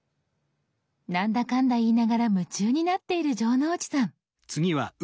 何だかんだ言いながら夢中になっている城之内さん。